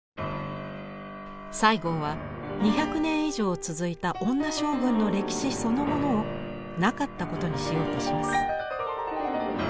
西郷は２００年以上続いた女将軍の歴史そのものをなかったことにしようとします。